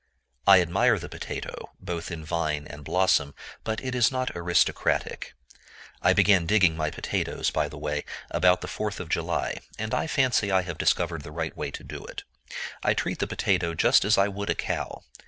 I admire the potato, both in vine and blossom; but it is not aristocratic. I began digging my potatoes, by the way, about the 4th of July; and I fancy I have discovered the right way to do it. I treat the potato just as I would a cow.